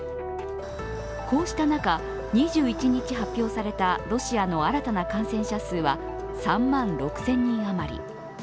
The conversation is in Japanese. こうした中、２１日発表されたロシアの新たな感染者数は３万６０００人余り。